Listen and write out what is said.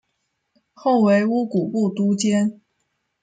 后为乌古部都监。